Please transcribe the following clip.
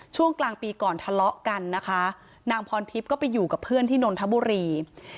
ช่วงกลางปีก่อนทะเลาะกันนะคะนางพรทิพย์ก็ไปอยู่กับเพื่อนที่นนทบุรี